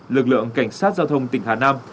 lực lượng cảnh sát giao thông tỉnh hà nam